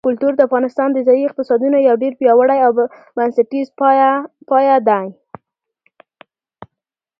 کلتور د افغانستان د ځایي اقتصادونو یو ډېر پیاوړی او بنسټیز پایایه دی.